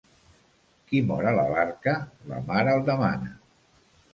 Qui mor a la barca, la mar el demana.